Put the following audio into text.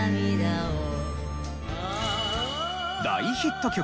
大ヒット曲